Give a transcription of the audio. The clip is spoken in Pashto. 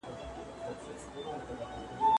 موږ باید د دغې لنډې شېبې له برکته ګټه پورته کړو.